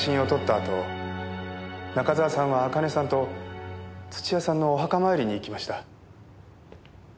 あと中沢さんは茜さんと土屋さんのお墓参りに行きました。